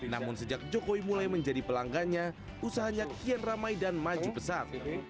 namun sejak jokowi mulai menjadi pelanggannya usahanya kian ramai dan maju pesat